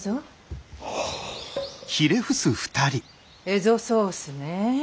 エゾソースねえ。